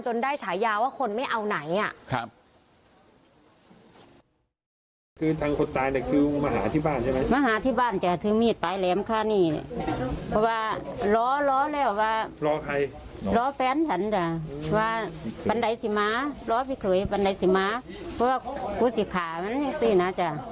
หลังจนได้ชายาวบทว่าคนไม่เอาไหน